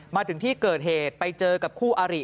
มาถึงที่เกิดเหตุไปเจอกับคู่อาริ